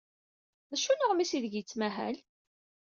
D acu n uɣmis aydeg yettmahal?